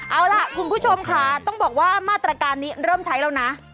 เอาล่ะคุณผู้ชมค่ะต้องบอกว่ามาตรการนี้เริ่มใช้แล้วนะ